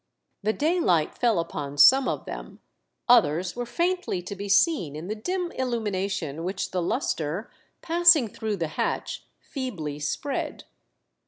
The daylight fell upon some of them, others were faintly to be seen in the dim illumi 2 20 THE DEATH SHIP. nation which the kistre, passing through the hatch, feebly spread.